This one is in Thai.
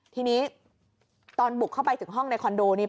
ทีนี้ตอนบุกเข้าไปถึงห้องในคอนโดนี้